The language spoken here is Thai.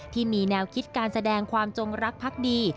ที่มีแนวคิดการแสดงความจงรักพักดี